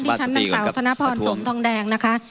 ที่ชั้นนักศาวสนพรสมทองแดงนะคะ